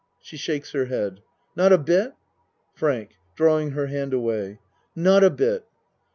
(She shakes her head.) Not a bit? FRANK (Drawing her hand away.) Not a bit.